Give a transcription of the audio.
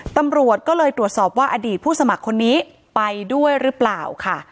ตำรวจก็เลยตรวจสอบว่าอดีตผู้สมัครคนนี้ไปด้วยหรือเปล่าค่ะ